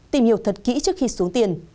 tìm hiểu thật kỹ trước khi xuống tiền